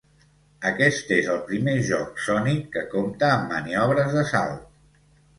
Aquest és el primer joc "Sonic" que compta amb maniobres de salt.